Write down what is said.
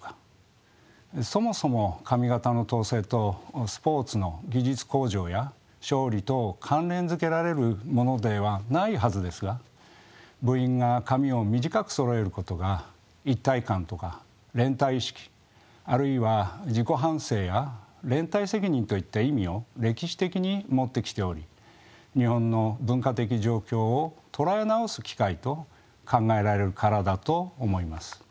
そもそも髪形の統制とスポーツの技術向上や勝利とを関連づけられるものでないはずですが部員が髪を短くそろえることが「一体感」とか「連帯意識」あるいは「自己反省」や「連帯責任」といった意味を歴史的に持ってきており日本の文化的状況を捉え直す機会と考えられるからだと思います。